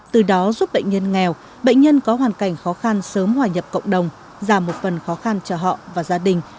từ đó giúp bệnh nhân nghèo bệnh nhân có hoàn cảnh khó khăn sớm hòa nhập cộng đồng giảm một phần khó khăn cho họ và gia đình